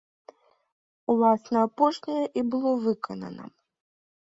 Уласна апошняе і было выканана.